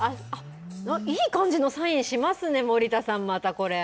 いい感じのサインしますね、森田さん、またこれ。